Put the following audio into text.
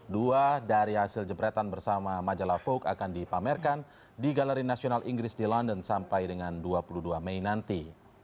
dua dari hasil jebretan bersama majalah vogue akan dipamerkan di galeri nasional inggris di london sampai dengan dua puluh dua mei nanti